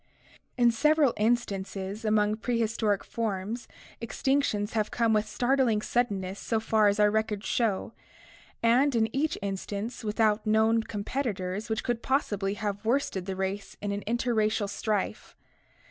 In several instances among prehistoric forms extinctions have come with startling suddenness so far as our records show, and in each instance without known competitors which could possibly have worsted the race in an interracial strife.